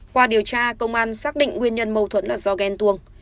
qua điều tra công an xác định nguyên nhân mâu thuẫn là do ghen tuông